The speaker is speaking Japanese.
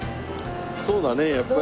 そうだねやっぱり。